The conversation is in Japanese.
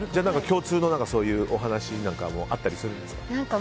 共通のお話なんかもあったりするんですか？